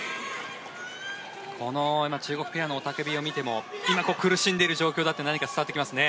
この中国ペアの雄たけびを見ても今、苦しんでいる状況だって伝わってきますね。